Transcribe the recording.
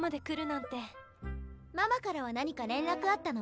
ママからは何か連絡あったの？